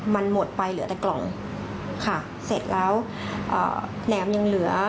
มันหมดไปเหลือแต่กล่องค่ะเสร็จแล้วอ่าแหนมยังเหลือ